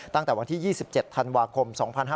ตั้งแต่วันที่๒๗ธันวาคม๒๕๕๙